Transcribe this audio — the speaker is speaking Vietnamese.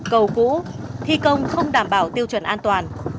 cầu cũ thi công không đảm bảo tiêu chuẩn an toàn